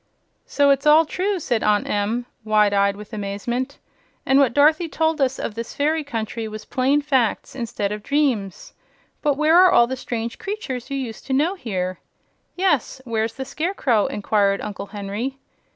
"So it's all true," said Aunt Em, wide eyed with amazement, "and what Dorothy told us of this fairy country was plain facts instead of dreams! But where are all the strange creatures you used to know here?" "Yes, where's the Scarecrow?" inquired Uncle Henry.